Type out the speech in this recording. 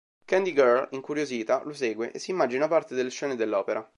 Candy Girl, incuriosita, lo segue, e si immagina parte delle scene dell'opera.